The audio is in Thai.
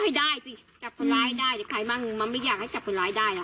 ไม่ได้สิจับคนร้ายได้แต่ใครบ้างมันไม่อยากให้จับคนร้ายได้นะ